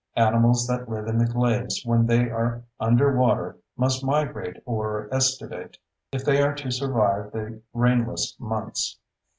Animals that live in the glades when they are under water must migrate or estivate (see glossary) if they are to survive the rainless months.